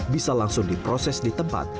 bisa langsung diproses di tempat